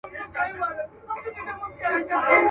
له امیده یې د زړه خونه خالي سوه.